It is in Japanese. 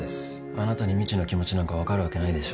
あなたにみちの気持なんか分かるわけないでしょ。